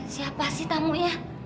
siapa sih tamunya